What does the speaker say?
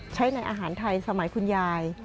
ใช้ในอาหารไทยสมัยคุณยาย